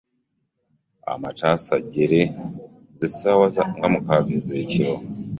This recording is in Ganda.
Amattansejjere ze ssaawa nga mukaaga ez'ekiro.